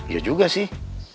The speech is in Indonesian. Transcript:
ya juga sih